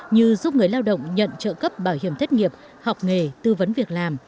như giúp người lao động nhận trợ cấp bảo hiểm thất nghiệp học nghề tư vấn việc làm